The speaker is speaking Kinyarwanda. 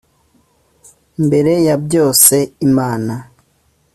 mbere ya byose imana